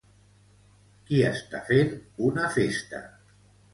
Qui està fent una festa?